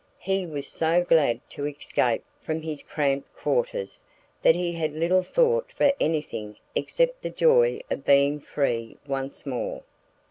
He was so glad to escape from his cramped quarters that he had little thought for anything except the joy of being free once more.